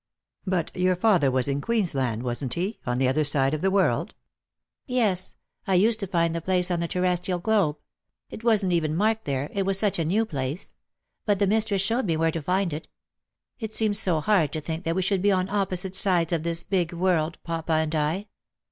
" But your father was in Queensland, wasn't he, on the other side of the world ?"'' Yes. I used to find the place on the terrestrial globe. It wasn't even marked there, it was such a new place. But the mistress showed me where to find it. It seemed so hard to think that we should be on opposite sides of this big world, papa and I."